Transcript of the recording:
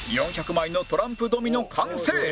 ４００枚のトランプドミノ完成！